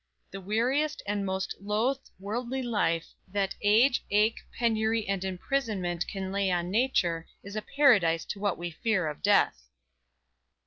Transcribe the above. The weariest and most loathed worldly life That age, ache, penury and imprisonment Can lay on nature, is a paradise To what we fear of death!"